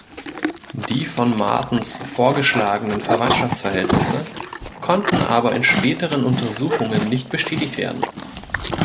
Die von Martens vorgeschlagenen Verwandtschaftsverhältnisse konnten aber in späteren Untersuchungen nicht bestätigt werden.